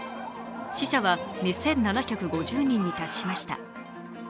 死者は２７５０人に達しました。